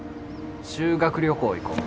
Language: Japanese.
修学旅行行こう。